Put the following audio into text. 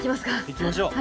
行きましょう。